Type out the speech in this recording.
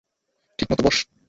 ঠিক মতো বস!